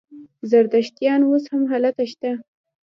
زردشتیان اوس هم هلته شته.